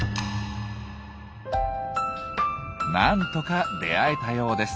何とか出会えたようです。